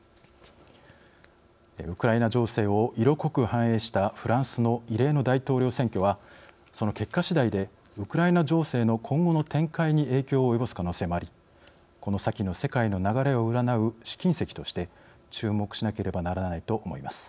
ウクライナ情勢を色濃く反映したフランスの異例の大統領選挙はその結果しだいでウクライナ情勢の今後の展開に影響を及ぼす可能性もありこの先の世界の流れを占う試金石として注目しなければならないと思います。